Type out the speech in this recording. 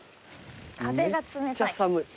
風が冷たい。